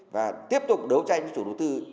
và tiếp tục đấu tranh với chủ đầu tư